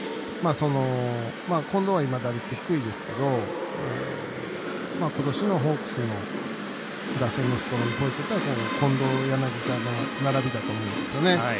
近藤は今、打率、低いですけど今年のホークスの打線のストロングポイントというと近藤、柳田の並びだと思うんですよね。